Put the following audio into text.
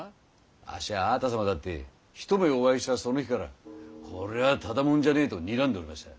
あっしはあなた様だって一目お会いしたその日からこりゃあただもんじゃねぇとにらんでおりました。